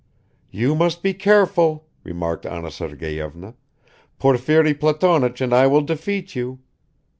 "You must be careful," remarked Anna Sergeyevna; "Porfiri Platonich and I will defeat you.